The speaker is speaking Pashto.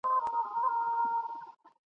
دروازه د هر طبیب یې ټکوله ..